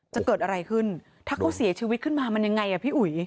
จะเกิดอะไรขึ้นถ้าเขาเสียชีวิตขึ้นมามันยังไงอ่ะพี่อุ๋ย